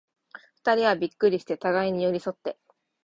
二人はびっくりして、互に寄り添って、